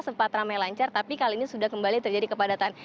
sempat ramai lancar tapi kali ini sudah kembali terjadi kepadatan